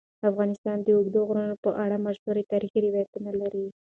افغانستان د اوږده غرونه په اړه مشهور تاریخی روایتونه لري.